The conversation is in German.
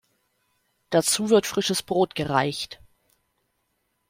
Dazu wird frisches Brot gereicht.